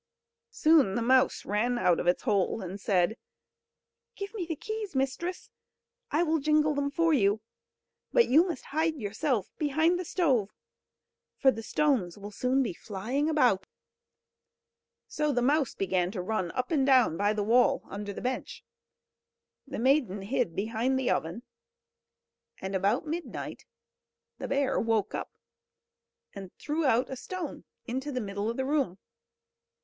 Soon the mouse ran out of its hole, and said: "Give me the keys, mistress, I will jingle them for you; but you must hide yourself behind the stove, for the stones will soon be flying about." So the mouse began to run up and down by the wall, under the bench. The maiden hid behind the oven, and about midnight the bear woke up, and threw out a stone into the middle of the room.